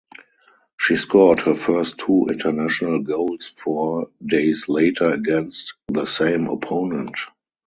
She scored her first two international goals four days later against the same opponent.